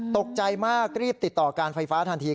ตกใจมากรีบติดต่อการไฟฟ้าทันที